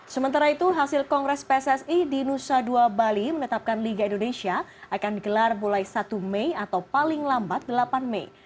sementara itu hasil kongres pssi di nusa dua bali menetapkan liga indonesia akan digelar mulai satu mei atau paling lambat delapan mei